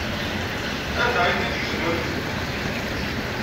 Anda ay ten-id-tgezmemt?